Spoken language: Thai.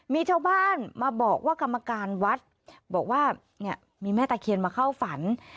มีชาวบ้านมาบอกว่ากรรมการวัดบอกว่าเนี่ยมีแม่ตะเคียนมาเข้าฝัน